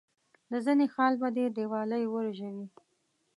د زنه خال به دي دیوالۍ ورژوي.